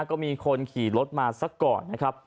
ก็มีคนขี่รถมาซะก่อนนะครับ